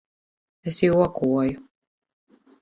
Es jokoju.